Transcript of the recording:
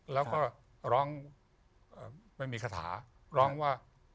แล้วก็ร้องไม่มีคาถาร้องว่า